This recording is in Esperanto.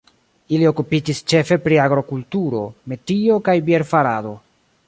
Ili okupiĝis ĉefe pri agrokulturo, metio kaj bier-farado.